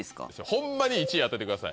ホンマに１位当ててください。